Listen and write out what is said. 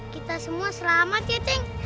kita semua selamat ya tank